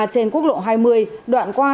trên quốc lộ hai mươi đoạn qua